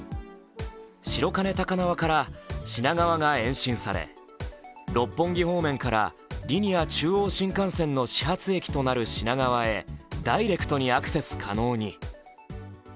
白金高輪から品川が延伸され、六本木方面からリニア中央新幹線の始発駅となる品川へダイレクトにアクセス可能に。